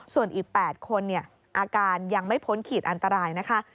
ส่วนอีก๘คนอาการยังไม่พ้นขีดอันตรายนะคะ